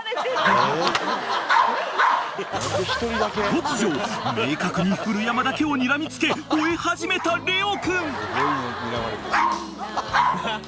［突如明確に古山だけをにらみ付け吠え始めたレオ君］